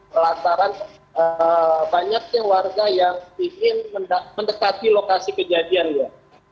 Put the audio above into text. melantaran banyaknya warga yang ingin mendekati lokasi kejadian ya